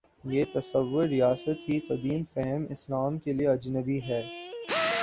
یہ تصور ریاست ہی قدیم فہم اسلام کے لیے اجنبی ہے۔